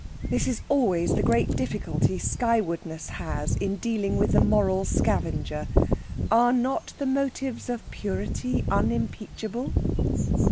This is always the great difficulty skywardness has in dealing with the moral scavenger. Are not the motives of purity unimpeachable?